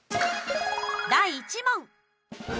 第１問！